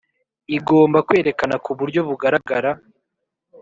Igomba kwerekana ku buryo bugaragara